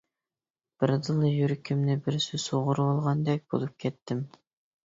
بىردىنلا يۈرىكىمنى بىرسى سۇغۇرۇۋالغاندەك بولۇپ كەتتىم.